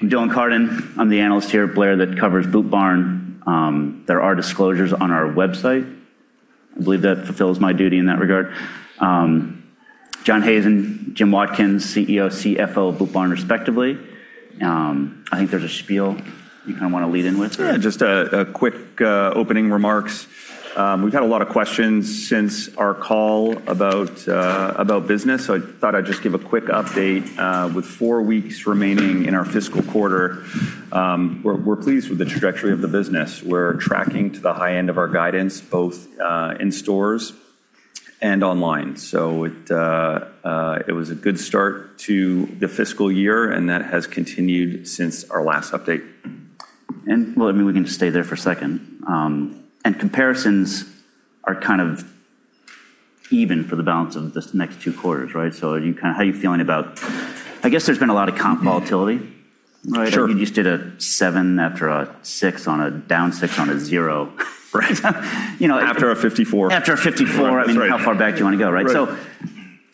I'm Dylan Carden. I'm the analyst here at Blair that covers Boot Barn. There are disclosures on our website. I believe that fulfills my duty in that regard. John Hazen and Jim Watkins, CEO, CFO of Boot Barn, respectively. I think there's a spiel you kind of want to lead in with. Just a quick opening remarks. We've had a lot of questions since our call about business. I thought I'd just give a quick update. With four weeks remaining in our fiscal quarter, we're pleased with the trajectory of the business. We're tracking to the high end of our guidance, both in stores and online. It was a good start to the fiscal year, and that has continued since our last update. Well, I mean, we can just stay there for a second. Comparisons are kind of even for the balance of this next two quarters, right? How are you feeling about I guess there's been a lot of comp volatility, right? Sure. I mean, you just did a seven after a six on a down six on a zero. Right. After a 54%. After a 54%- That's right. I mean, how far back do you want to go, right? Right.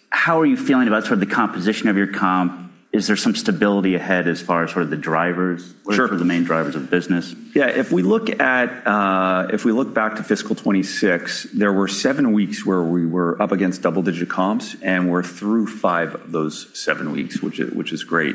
How are you feeling about sort of the composition of your comp? Is there some stability ahead as far as sort of the drivers? Sure. What are sort of the main drivers of the business? Yeah, if we look back to fiscal 2026, there were seven weeks where we were up against double-digit comps, and we're through five of those seven weeks, which is great.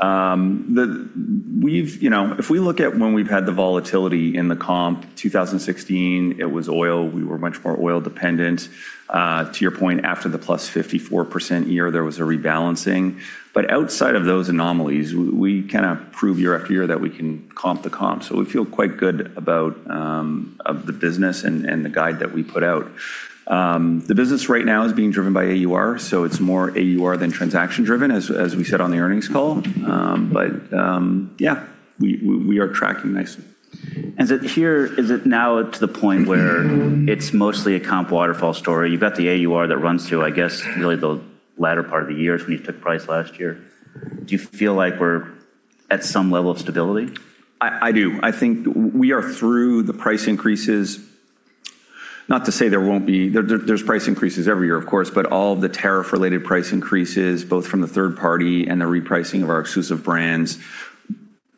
If we look at when we've had the volatility in the comp, 2016, it was oil. We were much more oil-dependent. To your point, after the plus 54% year, there was a rebalancing. Outside of those anomalies, we kind of prove year after year that we can comp the comp. We feel quite good about the business and the guide that we put out. The business right now is being driven by AUR, it's more AUR than transaction-driven, as we said on the earnings call. Yeah, we are tracking nicely. Is it now to the point where it's mostly a comp waterfall story? You've got the AUR that runs through, I guess, really the latter part of the years when you took price last year. Do you feel like we're at some level of stability? I do. I think we are through the price increases. There's price increases every year, of course, but all of the tariff-related price increases, both from the third party and the repricing of our exclusive brands,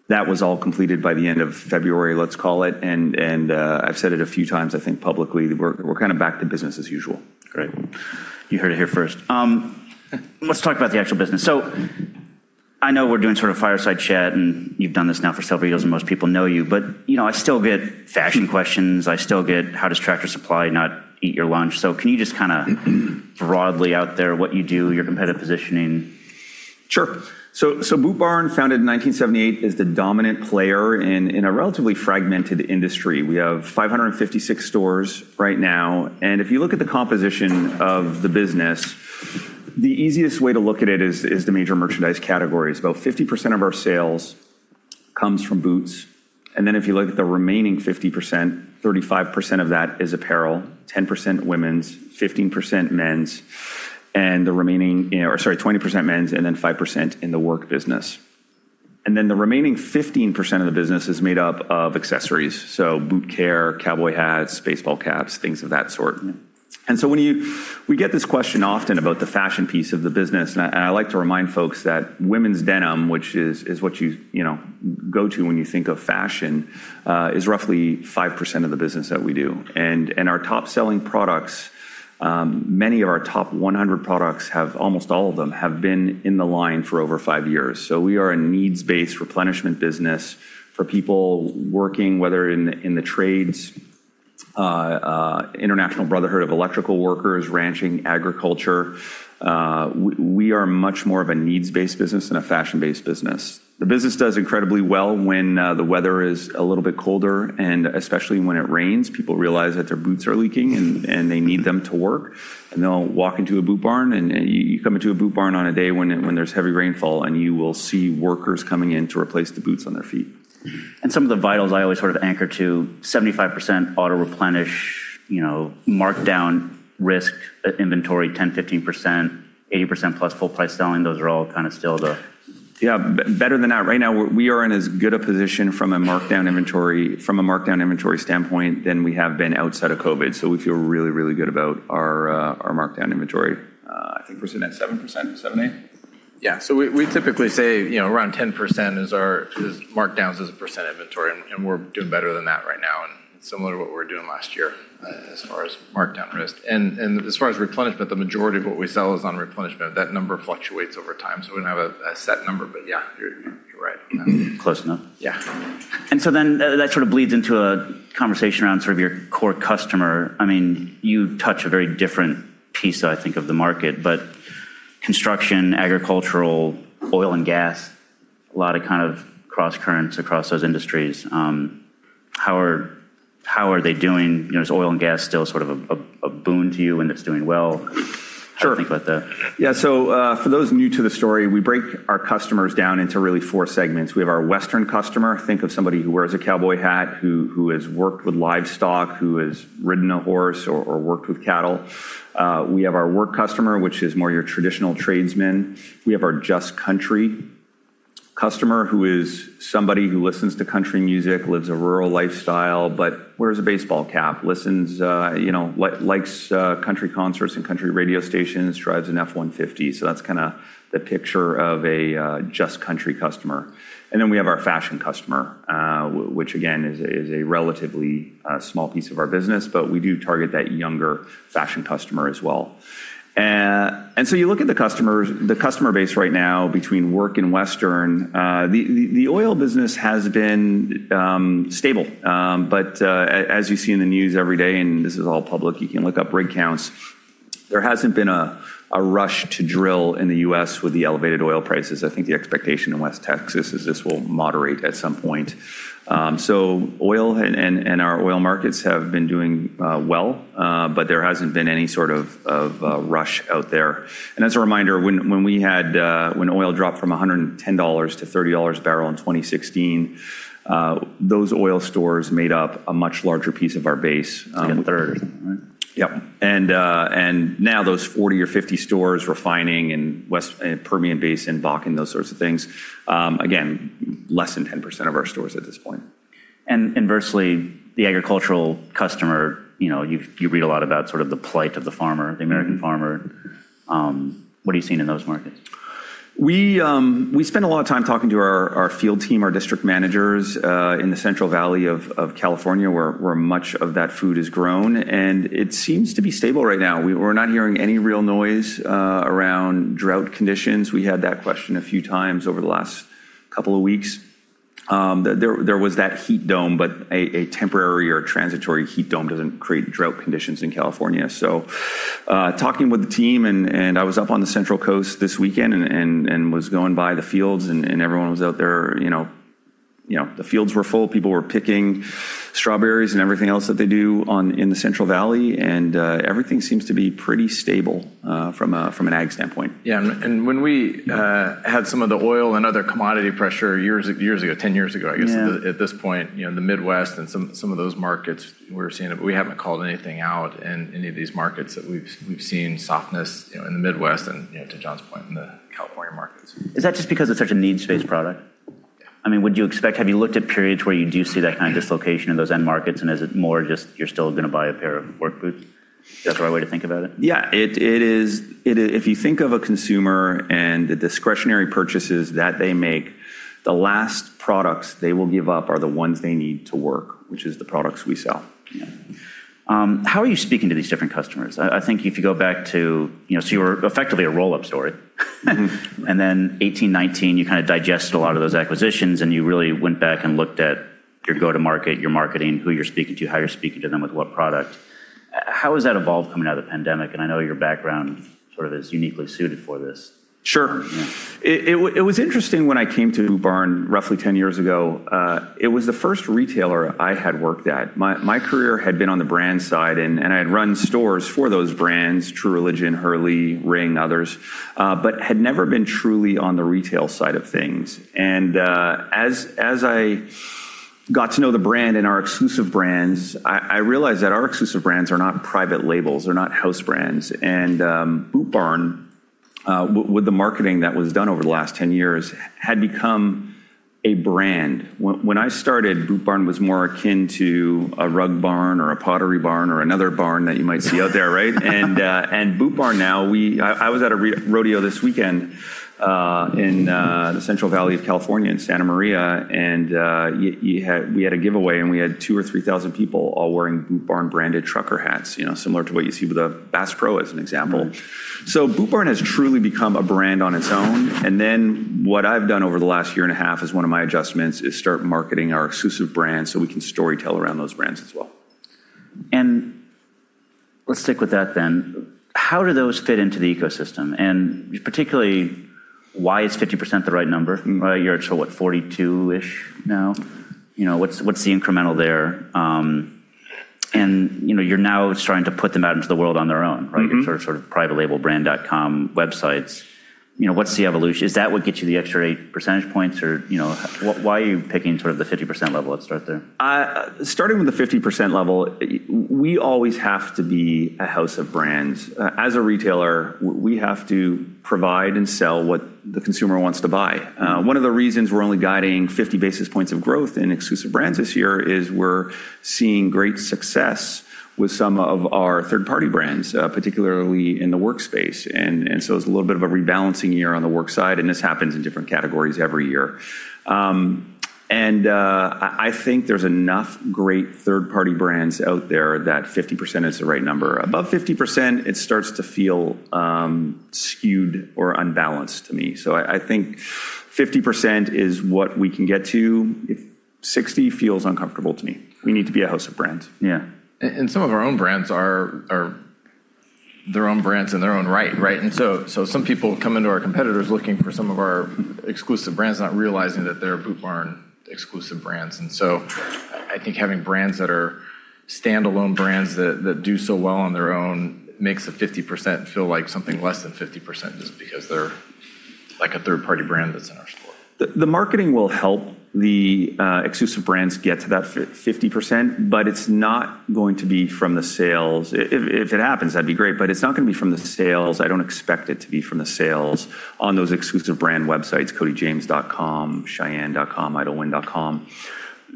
that was all completed by the end of February, let's call it, and I've said it a few times, I think publicly, we're kind of back to business as usual. Great. You heard it here first. Let's talk about the actual business. I know we're doing sort of fireside chat, and you've done this now for several years, and most people know you, but I still get fashion questions. I still get, how does Tractor Supply not eat your lunch? Can you just kind of broadly out there what you do, your competitive positioning? Sure. Boot Barn, founded in 1978, is the dominant player in a relatively fragmented industry. We have 556 stores right now, and if you look at the composition of the business, the easiest way to look at it is the major merchandise categories. About 50% of our sales comes from boots, and then if you look at the remaining 50%, 35% of that is apparel, 10% women's, 20% men's, and then 5% in the work business. The remaining 15% of the business is made up of accessories, so boot care, cowboy hats, baseball caps, things of that sort. Yeah. We get this question often about the fashion piece of the business, and I like to remind folks that women's denim, which is what you go to when you think of fashion, is roughly 5% of the business that we do. Our top-selling products, many of our top 100 products have, almost all of them, have been in the line for over five years. We are a needs-based replenishment business for people working, whether in the trades, International Brotherhood of Electrical Workers, ranching, agriculture. We are much more of a needs-based business than a fashion-based business. The business does incredibly well when the weather is a little bit colder, and especially when it rains. People realize that their boots are leaking, and they need them to work, and they'll walk into a Boot Barn. You come into a Boot Barn on a day when there's heavy rainfall, and you will see workers coming in to replace the boots on their feet. Some of the vitals I always sort of anchor to, 75% auto-replenish, markdown risk inventory 10%-15%, 80%+ full-price selling. Those are all kind of still the. Yeah, better than that. Right now, we are in as good a position from a markdown inventory standpoint than we have been outside of COVID, so we feel really, really good about our markdown inventory. I think we're sitting at 7%, 7%, 8%? Yeah. We typically say around 10% is our markdowns as a percent inventory, and we're doing better than that right now, and similar to what we were doing last year as far as markdown risk. As far as replenishment, the majority of what we sell is on replenishment. That number fluctuates over time, so we don't have a set number, but yeah, you're right on that. Close enough. Yeah. That sort of bleeds into a conversation around sort of your core customer. I mean, you touch a very different piece, I think, of the market, but construction, agricultural, oil and gas, a lot of kind of cross-currents across those industries. How are they doing? Is oil and gas still sort of a boon to you when it's doing well? Sure. How do you think about? For those new to the story, we break our customers down into really four segments. We have our Western customer. Think of somebody who wears a cowboy hat, who has worked with livestock, who has ridden a horse or worked with cattle. We have our work customer, which is more your traditional tradesman. We have our Just Country customer who is somebody who listens to country music, lives a rural lifestyle, but wears a baseball cap, likes country concerts and country radio stations, drives an F-150. That's kind of the picture of a Just Country customer. We have our fashion customer, which again, is a relatively small piece of our business, but we do target that younger fashion customer as well. You look at the customer base right now between work and western, the oil business has been stable, as you see in the news every day, and this is all public, you can look up rig counts, there hasn't been a rush to drill in the U.S. with the elevated oil prices. I think the expectation in West Texas is this will moderate at some point. Oil and our oil markets have been doing well, there hasn't been any sort of rush out there. As a reminder, when oil dropped from $110-$30 a barrel in 2016, those oil stores made up a much larger piece of our base. It's like a third, right? Yep. Now those 40 or 50 stores refining in Permian Basin, Bakken, those sorts of things, again, less than 10% of our stores at this point. Inversely, the agricultural customer, you read a lot about sort of the plight of the American farmer. What are you seeing in those markets? We spend a lot of time talking to our field team, our district managers, in the Central Valley of California, where much of that food is grown, and it seems to be stable right now. We're not hearing any real noise around drought conditions. We had that question a few times over the last couple of weeks. There was that heat dome, a temporary or transitory heat dome doesn't create drought conditions in California. Talking with the team, and I was up on the Central Coast this weekend and was going by the fields, and everyone was out there. The fields were full. People were picking strawberries and everything else that they do in the Central Valley, and everything seems to be pretty stable from an ag standpoint. Yeah. When we had some of the oil and other commodity pressure years ago, 10 years ago, at this point, the Midwest and some of those markets, we're seeing it, but we haven't called anything out in any of these markets that we've seen softness in the Midwest and, to John's point, in the California markets. Is that just because it's such a needs-based product? Yeah. Have you looked at periods where you do see that kind of dislocation in those end markets, and is it more just you're still going to buy a pair of work boots? Is that the right way to think about it? Yeah. If you think of a consumer and the discretionary purchases that they make, the last products they will give up are the ones they need to work, which is the products we sell. Yeah. How are you speaking to these different customers? You were effectively a roll-up story. Then 2018, 2019, you kind of digested a lot of those acquisitions, and you really went back and looked at your go-to-market, your marketing, who you're speaking to, how you're speaking to them, with what product. How has that evolved coming out of the pandemic? I know your background sort of is uniquely suited for this. Sure. Yeah. It was interesting when I came to Boot Barn roughly 10 years ago. It was the first retailer I had worked at. My career had been on the brand side. I had run stores for those brands, True Religion, Hurley, Ring of Fire, others, but had never been truly on the retail side of things. As I got to know the brand and our exclusive brands, I realized that our exclusive brands are not private labels. They're not house brands. Boot Barn, with the marketing that was done over the last 10 years, had become a brand. When I started, Boot Barn was more akin to a Rug Barn or a Pottery Barn or another barn that you might see out there, right? Boot Barn now, I was at a rodeo this weekend in the Central Valley of California in Santa Maria, and we had a giveaway, and we had 2,000 or 3,000 people all wearing Boot Barn-branded trucker hats, similar to what you see with Bass Pro as an example. Right. Boot Barn has truly become a brand on its own. What I've done over the last year and a half as one of my adjustments is start marketing our exclusive brands so we can story tell around those brands as well. Let's stick with that then. How do those fit into the ecosystem? Particularly, why is 50% the right number? You're at, so what, 42%-ish now? What's the incremental there? You're now starting to put them out into the world on their own, right? Mm-hmm. Your sort of private label brand.com websites. Is that what gets you the extra eight percentage points, or why are you picking sort of the 50% level, let's start there? Starting with the 50% level, we always have to be a house of brands. As a retailer, we have to provide and sell what the consumer wants to buy. One of the reasons we're only guiding 50 basis points of growth in exclusive brands this year is we're seeing great success with some of our third-party brands, particularly in the workspace. It's a little bit of a rebalancing year on the work side, and this happens in different categories every year. I think there's enough great third-party brands out there that 50% is the right number. Above 50%, it starts to feel skewed or unbalanced to me. I think 50% is what we can get to. 60% feels uncomfortable to me. We need to be a house of brands. Yeah. Some of our own brands are their own brands in their own right? Some people come into our competitors looking for some of our exclusive brands, not realizing that they're Boot Barn exclusive brands. I think having brands that are standalone brands that do so well on their own makes the 50% feel like something less than 50% just because they're like a third-party brand that's in our store. The marketing will help the exclusive brands get to that 50%, but it's not going to be from the sales. If it happens, that'd be great, but it's not going to be from the sales. I don't expect it to be from the sales on those exclusive brand websites, codyjames.com, Shyanne, Idyllwind.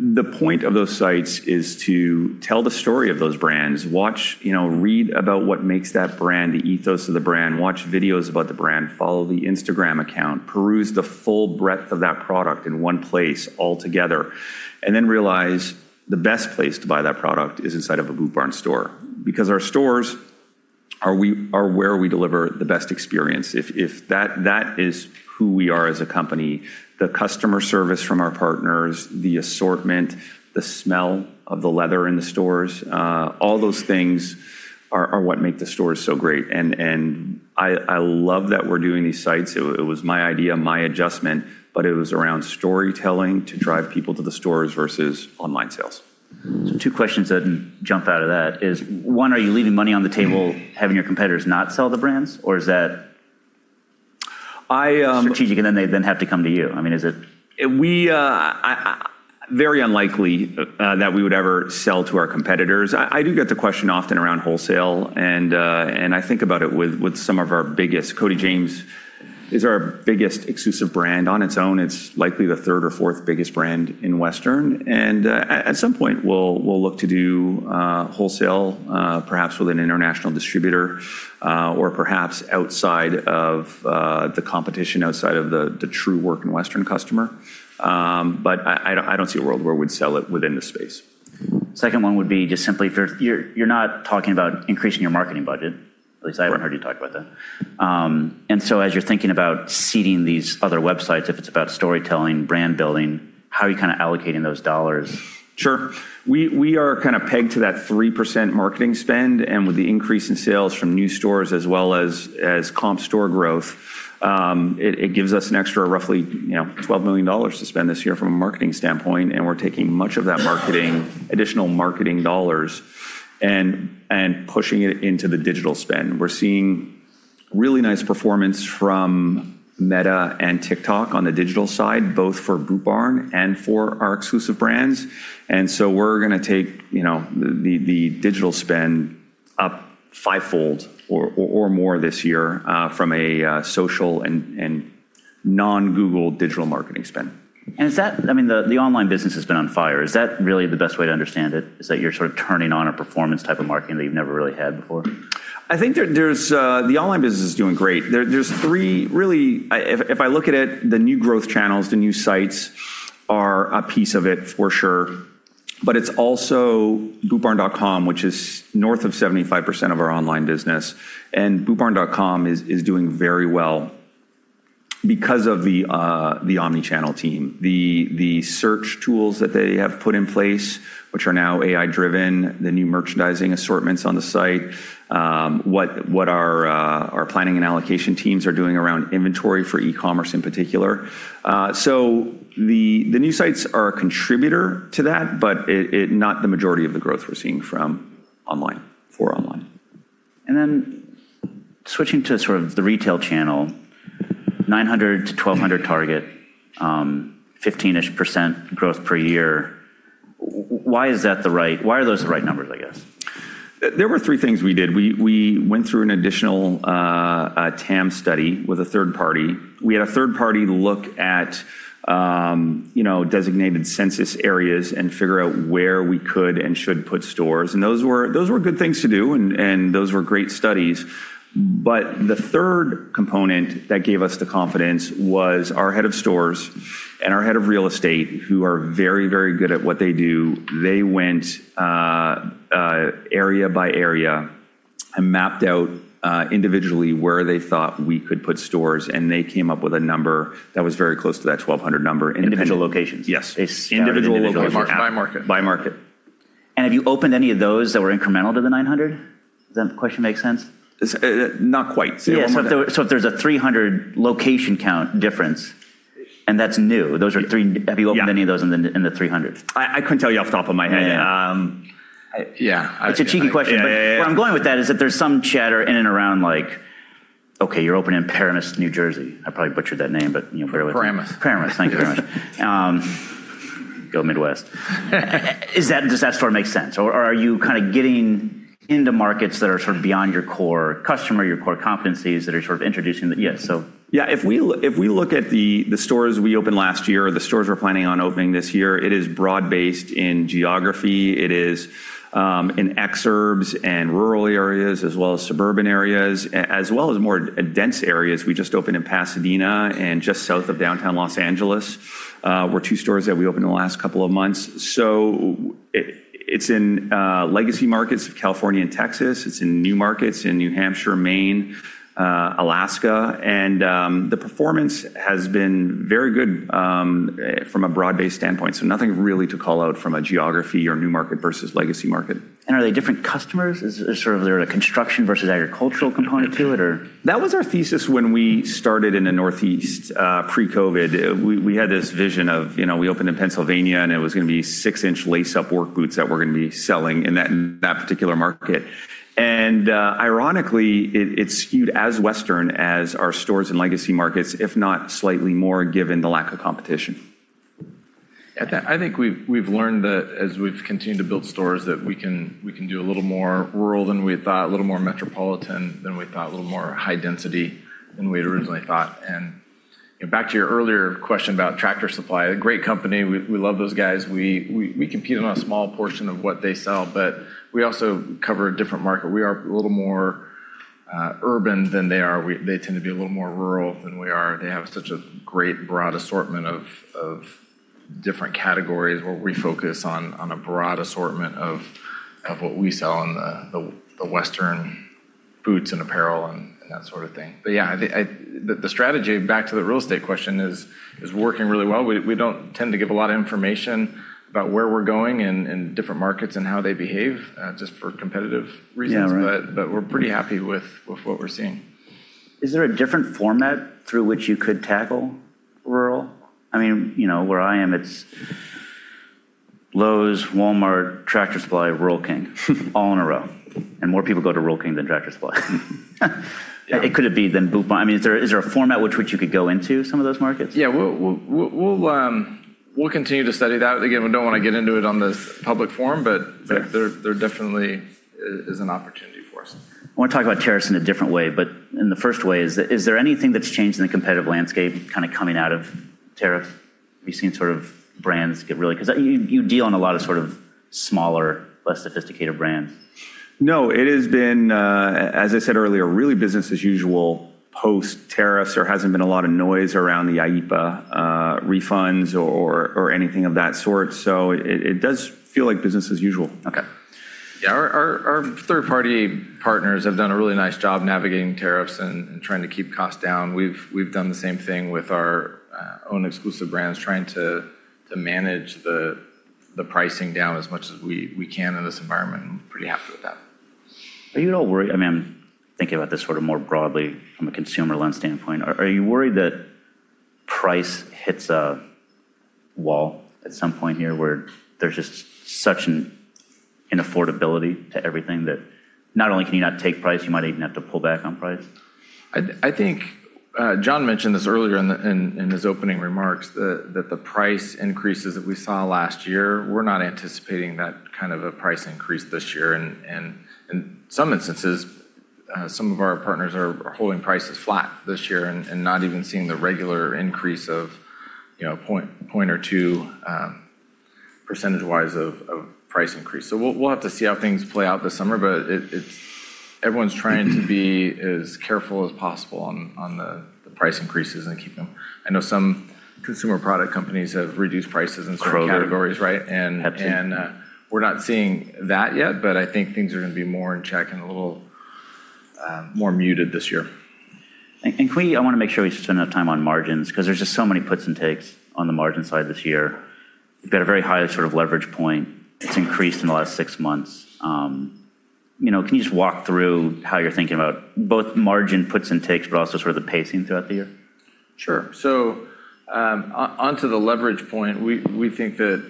The point of those sites is to tell the story of those brands, read about what makes that brand, the ethos of the brand, watch videos about the brand, follow the Instagram account, peruse the full breadth of that product in one place altogether, and then realize the best place to buy that product is inside of a Boot Barn store. Because our stores are where we deliver the best experience. That is who we are as a company, the customer service from our partners, the assortment, the smell of the leather in the stores, all those things are what make the stores so great. I love that we're doing these sites. It was my idea, my adjustment, but it was around storytelling to drive people to the stores versus online sales. Two questions that jump out of that is, one, are you leaving money on the table having your competitors not sell the brands? I- Strategic, and then they then have to come to you? I mean, is it? Very unlikely that we would ever sell to our competitors. I do get the question often around wholesale, and I think about it. Cody James is our biggest exclusive brand on its own. It's likely the third or fourth biggest brand in Western, and at some point, we'll look to do wholesale, perhaps with an international distributor, or perhaps outside of the competition, outside of the true work in Western customer. I don't see a world where we'd sell it within the space. Second one would be just simply if you're not talking about increasing your marketing budget, at least I haven't heard you talk about that. As you're thinking about seeding these other websites, if it's about storytelling, brand building, how are you kind of allocating those dollars? Sure. We are kind of pegged to that 3% marketing spend, With the increase in sales from new stores as well as comp store growth, it gives us an extra roughly $12 million to spend this year from a marketing standpoint. We're taking much of that additional marketing dollars and pushing it into the digital spend. We're seeing really nice performance from Meta and TikTok on the digital side, both for Boot Barn and for our exclusive brands. We're going to take the digital spend up fivefold or more this year from a social and non-Google digital marketing spend. The online business has been on fire. Is that really the best way to understand it? Is that you're sort of turning on a performance type of marketing that you've never really had before? I think the online business is doing great. If I look at it, the new growth channels, the new sites are a piece of it for sure, it's also bootbarn.com, which is north of 75% of our online business. bootbarn.com is doing very well because of the omnichannel team. The search tools that they have put in place, which are now AI-driven, the new merchandising assortments on the site, what our planning and allocation teams are doing around inventory for e-commerce in particular. The new sites are a contributor to that, but not the majority of the growth we're seeing for online. Switching to sort of the retail channel, 900-1,200 target, 15%-ish growth per year. Why are those the right numbers, I guess? There were three things we did. We went through an additional TAM study with a third party. We had a third party look at designated census areas and figure out where we could and should put stores. Those were good things to do, and those were great studies. The third component that gave us the confidence was our head of stores and our head of real estate, who are very, very good at what they do. They went area by area and mapped out individually where they thought we could put stores, and they came up with a number that was very close to that 1,200 number. Individual locations? Yes. Based on- Individual locations. By market. By market. Have you opened any of those that were incremental to the 900? Does that question make sense? Not quite. Say it one more time. Yeah. If there's a 300-location count difference, and that's new, have you opened any of those in the 300? I couldn't tell you off the top of my head. Yeah. Yeah. It's a cheeky question. Yeah. Where I'm going with that is if there's some chatter in and around, like, okay, you're opening in Paramus, New Jersey. I probably butchered that name, but you know better. Paramus. Paramus, thank you very much. Go Midwest. Does that store make sense, or are you kind of getting into markets that are sort of beyond your core customer, your core competencies? Yeah, if we look at the stores we opened last year, or the stores we're planning on opening this year, it is broad-based in geography. It is in exurbs and rural areas as well as suburban areas, as well as more dense areas. We just opened in Pasadena and just south of downtown Los Angeles, were two stores that we opened in the last couple of months. It's in legacy markets of California and Texas. It's in new markets in New Hampshire, Maine, Alaska, and the performance has been very good from a broad-based standpoint. Nothing really to call out from a geography or new market versus legacy market. Are they different customers? Is there sort of a construction versus agricultural component to it, or? That was our thesis when we started in the Northeast pre-COVID. We had this vision of, we opened in Pennsylvania, and it was going to be six-inch lace-up work boots that we're going to be selling in that particular market. Ironically, it skewed as Western as our stores in legacy markets, if not slightly more, given the lack of competition. I think we've learned that as we've continued to build stores, that we can do a little more rural than we thought, a little more metropolitan than we thought, a little more high density than we had originally thought. Back to your earlier question about Tractor Supply Company, a great company. We love those guys. We compete on a small portion of what they sell, but we also cover a different market. We are a little more urban than they are. They tend to be a little more rural than we are. They have such a great broad assortment of different categories where we focus on a broad assortment of what we sell and the western boots and apparel and that sort of thing. Yeah, the strategy, back to the real estate question, is working really well. We don't tend to give a lot of information about where we're going in different markets and how they behave, just for competitive reasons. Yeah, right. We're pretty happy with what we're seeing. Is there a different format through which you could tackle rural? Where I am, it's Lowe's, Walmart, Tractor Supply, Rural King, all in a row, and more people go to Rural King than Tractor Supply. Could it be then Boot Barn? Is there a format which you could go into some of those markets? Yeah. We'll continue to study that. Again, we don't want to get into it on this public forum, but. Sure. there definitely is an opportunity for us. I want to talk about tariffs in a different way. Is there anything that's changed in the competitive landscape coming out of tariff? Have you seen brands get really? You deal in a lot of smaller, less sophisticated brands. No. It has been, as I said earlier, really business as usual post-tariffs. There hasn't been a lot of noise around the IEEPA refunds or anything of that sort. It does feel like business as usual. Okay. Yeah. Our third-party partners have done a really nice job navigating tariffs and trying to keep costs down. We've done the same thing with our own exclusive brands, trying to manage the pricing down as much as we can in this environment, and pretty happy with that. Are you at all worried, I'm thinking about this more broadly from a consumer lens standpoint, are you worried that price hits a wall at some point here where there's just such an inaffordability to everything that not only can you not take price, you might even have to pull back on price? I think John mentioned this earlier in his opening remarks, that the price increases that we saw last year, we're not anticipating that kind of a price increase this year. In some instances, some of our partners are holding prices flat this year and not even seeing the regular increase of a point or two percentage-wise of price increase. We'll have to see how things play out this summer, but everyone's trying to be as careful as possible on the price increases and keep them. I know some consumer product companies have reduced prices in certain categories. Kroger. Right. PepsiCo. We're not seeing that yet, but I think things are going to be more in check and a little more muted this year. I want to make sure we spend enough time on margins because there's just so many puts and takes on the margin side this year. We've got a very high leverage point. It's increased in the last six months. Can you just walk through how you're thinking about both margin puts and takes, but also the pacing throughout the year? Sure. Onto the leverage point, we think that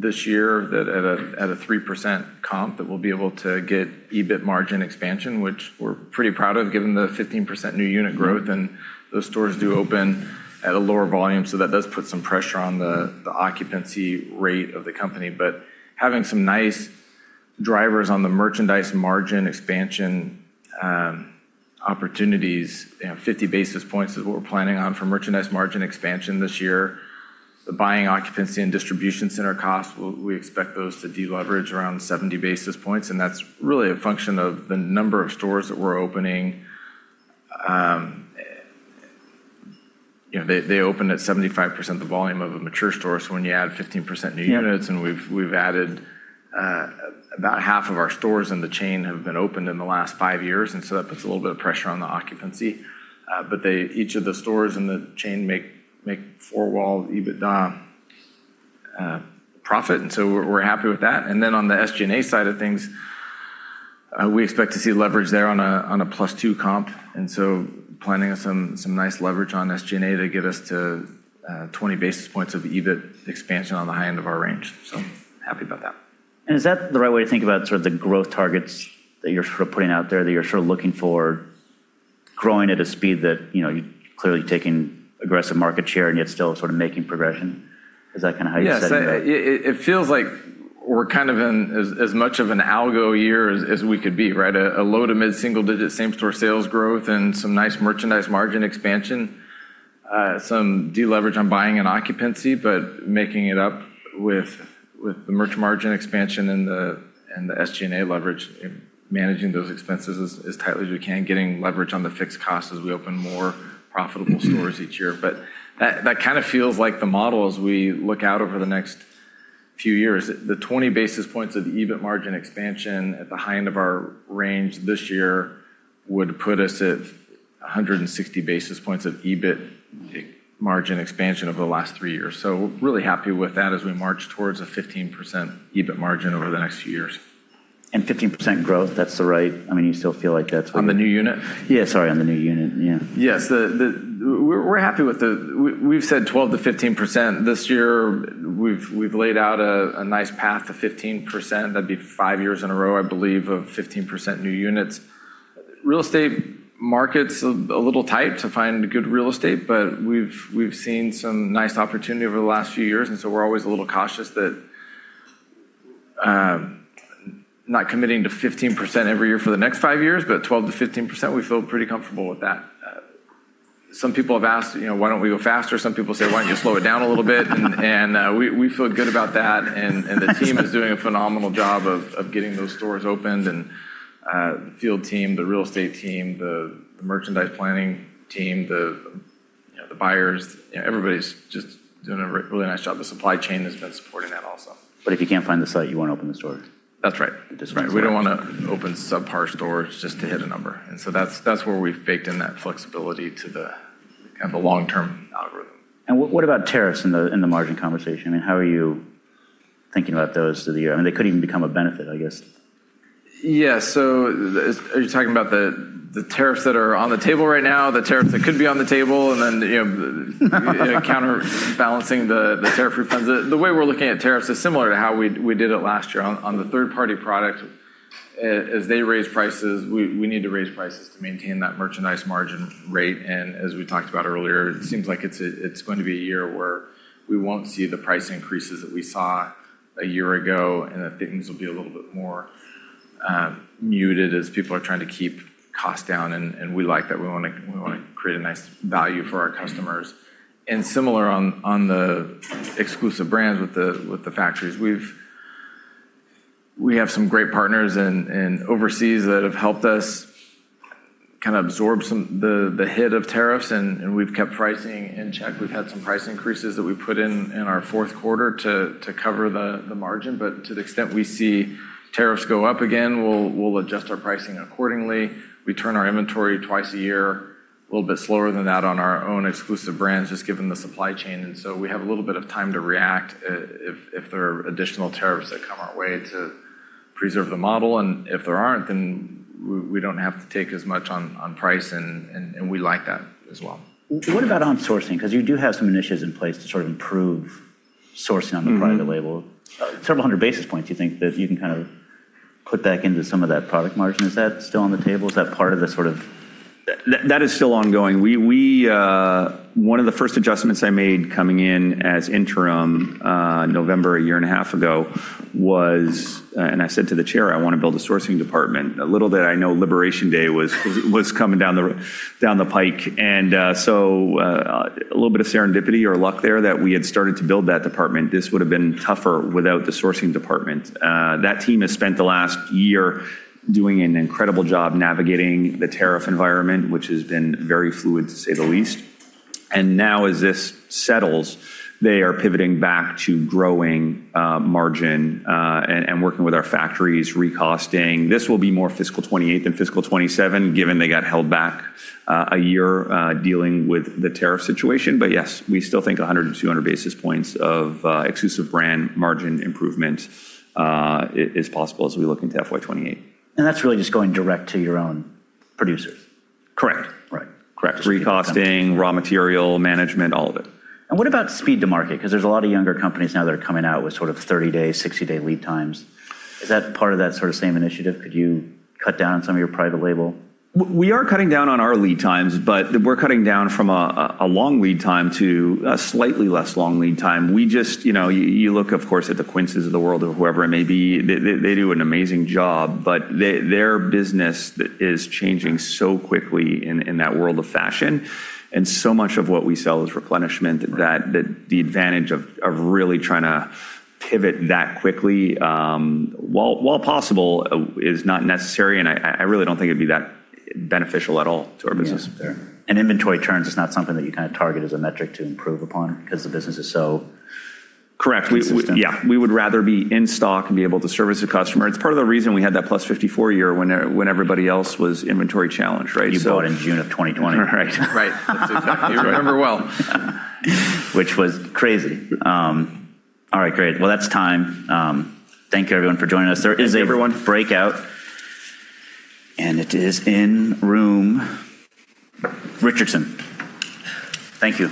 this year that at a 3% comp, that we'll be able to get EBIT margin expansion, which we're pretty proud of given the 15% new unit growth, and those stores do open at a lower volume, so that does put some pressure on the occupancy rate of the company. Having some nice drivers on the merchandise margin expansion opportunities, 50 basis points is what we're planning on for merchandise margin expansion this year. The buying occupancy and distribution center costs, we expect those to deleverage around 70 basis points, and that's really a function of the number of stores that we're opening. They open at 75% the volume of a mature store, so when you add 15% new units, and we've added about half of our stores in the chain have been opened in the last five years, and so that puts a little bit of pressure on the occupancy. Each of the stores in the chain make four-wall EBITDA profit, and so we're happy with that. On the SG&A side of things, we expect to see leverage there on a plus two comp. Planning on some nice leverage on SG&A to get us to 20 basis points of EBIT expansion on the high end of our range. Happy about that. Is that the right way to think about sort of the growth targets that you're putting out there, that you're looking for growing at a speed that you're clearly taking aggressive market share and yet still making progression? Is that kind of how you're setting that? Yes. It feels like we're kind of in as much of an algo year as we could be, right? A low-to-mid single-digit same-store sales growth and some nice merchandise margin expansion. Some deleverage on buying and occupancy, making it up with the merch margin expansion and the SG&A leverage, managing those expenses as tightly as we can, getting leverage on the fixed costs as we open more profitable stores each year. That kind of feels like the model as we look out over the next few years. The 20 basis points of EBIT margin expansion at the high end of our range this year would put us at 160 basis points of EBIT margin expansion over the last three years. We're really happy with that as we march towards a 15% EBIT margin over the next few years. 15% growth. You still feel like that's what? On the new unit? Yeah, sorry, on the new unit. Yeah. Yes. We've said 12%-15% this year. We've laid out a nice path to 15%. That'd be five years in a row, I believe, of 15% new units. Real estate market's a little tight to find good real estate, but we've seen some nice opportunity over the last few years, and so we're always a little cautious that, not committing to 15% every year for the next five years, but 12%-15%, we feel pretty comfortable with that. Some people have asked, why don't we go faster? Some people say, "Why don't you slow it down a little bit?" We feel good about that. The team is doing a phenomenal job of getting those stores opened, and the field team, the real estate team, the merchandise planning team, the buyers, everybody's just doing a really nice job. The supply chain has been supporting that also. If you can't find the site, you won't open the stores. That's right. Just- We don't want to open subpar stores just to hit a number. That's where we've baked in that flexibility to the kind of the long-term algorithm. What about tariffs in the margin conversation? I mean, how are you thinking about those through the year? I mean, they could even become a benefit, I guess. Yeah. Are you talking about the tariffs that are on the table right now, the tariffs that could be on the table, and counterbalancing the tariff refunds? The way we're looking at tariffs is similar to how we did it last year. On the third-party product, as they raise prices, we need to raise prices to maintain that merchandise margin rate. As we talked about earlier, it seems like it's going to be a year where we won't see the price increases that we saw a year ago, and that things will be a little bit more muted as people are trying to keep costs down, and we like that. We want to create a nice value for our customers. Similar on the exclusive brands with the factories. We have some great partners in overseas that have helped us kind of absorb some the hit of tariffs, and we've kept pricing in check. We've had some price increases that we've put in in our fourth quarter to cover the margin. To the extent we see tariffs go up again, we'll adjust our pricing accordingly. We turn our inventory twice a year, a little bit slower than that on our own exclusive brands, just given the supply chain. We have a little bit of time to react, if there are additional tariffs that come our way to preserve the model. If there aren't, then we don't have to take as much on price, and we like that as well. What about on sourcing? Because you do have some initiatives in place to sort of improve sourcing on the- private label. Several hundred basis points you think that you can kind of put back into some of that product margin. Is that still on the table? Is that part of the? That is still ongoing. One of the first adjustments I made coming in as interim, November a year and a half ago was, and I said to the chair, "I want to build a sourcing department." Little did I know Liberation Day was coming down the pike, and so, a little bit of serendipity or luck there that we had started to build that department. This would've been tougher without the sourcing department. That team has spent the last year doing an incredible job navigating the tariff environment, which has been very fluid, to say the least. Now as this settles, they are pivoting back to growing margin, and working with our factories, re-costing. This will be more fiscal 2028 than fiscal 2027, given they got held back a year, dealing with the tariff situation. Yes, we still think 100 to 200 basis points of exclusive brand margin improvement is possible as we look into FY 2028. That's really just going direct to your own producers. Correct. Right. Correct. Re-costing, raw material management, all of it. What about speed to market? Because there's a lot of younger companies now that are coming out with sort of 30-day, 60-day lead times. Is that part of that sort of same initiative? Could you cut down some of your private label? We are cutting down on our lead times, but we're cutting down from a long lead time to a slightly less long lead time. You look, of course, at the Quinces of the world or whoever it may be. They do an amazing job, but their business is changing so quickly in that world of fashion, and so much of what we sell is replenishment that the advantage of really trying to pivot that quickly, while possible, is not necessary, and I really don't think it'd be that beneficial at all to our business. Yeah. Fair. Inventory turns is not something that you kind of target as a metric to improve upon because the business is so- Correct consistent. Yeah. We would rather be in stock and be able to service a customer. It's part of the reason we had that plus 54 year when everybody else was inventory challenged, right? You bought in June of 2020, right? Right. That's exactly right. You remember well. Which was crazy. All right. Great. Well, that's time. Thank you everyone for joining us. Thank you, everyone. There is a breakout, it is in room Richardson. Thank you.